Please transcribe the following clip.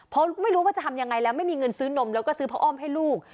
เพราะไม่รู้ว่าจะทำยังไงแล้วไม่มีเงินซื้อนมแล้วก็ซื้อพระอ้อมให้ลูก